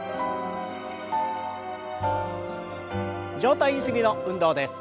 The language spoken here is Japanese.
上体ゆすりの運動です。